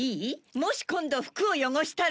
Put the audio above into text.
もし今度服を汚したら。